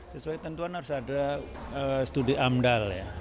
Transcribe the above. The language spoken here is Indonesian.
sesuai tentuan harus ada studi amdal ya